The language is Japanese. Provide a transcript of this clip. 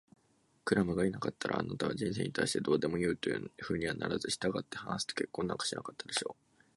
クラムがいなかったら、あなたは人生に対してどうでもいいというようなふうにはならず、したがってハンスと結婚なんかしなかったでしょう。